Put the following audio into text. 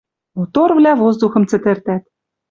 Моторвлӓ воздухым цӹтӹртӓт.